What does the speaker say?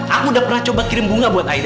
aku udah pernah coba kirim bunga buat id